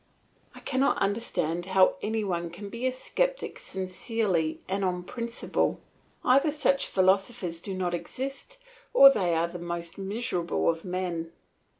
I cannot understand how any one can be a sceptic sincerely and on principle. Either such philosophers do not exist or they are the most miserable of men.